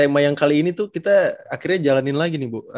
tema yang kali ini tuh kita akhirnya jalanin lagi nih bu